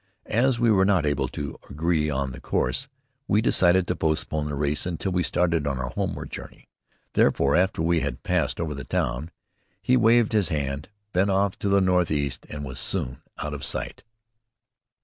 As we were not able to agree on the course, we decided to postpone the race until we started on the homeward journey. Therefore, after we had passed over the town, he waved his hand, bent off to the northeast, and was soon out of sight.